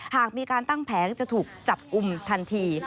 หากมีการตั้งแผงจะถูกจับกลุ่มทันที